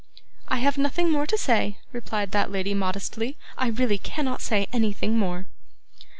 'I have nothing more to say,' replied that lady modestly. 'I really cannot say anything more.